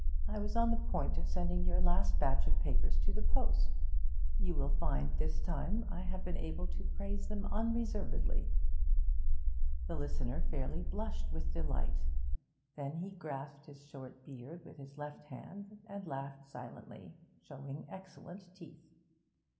I was on the point of sending your last batch of papers to the post. You will find, this time, I have been able to praise them unreservedly.' The listener fairly blushed with delight; then he grasped his short beard with his left hand and laughed silently, showing excellent teeth.